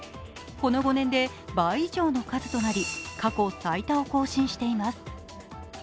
この５年で倍以上の数となり、過去最多を更新しています。